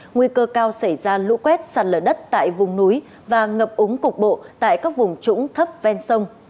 nguy cơ cao xảy ra lũ quét sạt lở đất tại vùng núi và ngập úng cục bộ tại các vùng trũng thấp ven sông